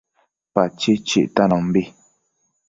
Pachid chictanombi